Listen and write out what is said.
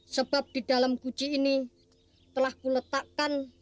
sebab di dalam guji ini telah kuletakkan